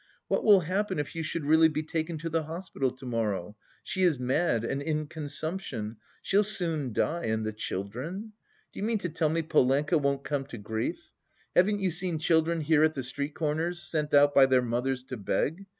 What will happen, if you should really be taken to the hospital to morrow? She is mad and in consumption, she'll soon die and the children? Do you mean to tell me Polenka won't come to grief? Haven't you seen children here at the street corners sent out by their mothers to beg?